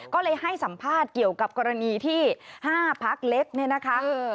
ก็เลยให้สัมภาษณ์เกี่ยวกับกรณีที่๕พักเล็กเนี่ยนะคะ